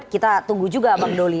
kita tunggu juga bang doli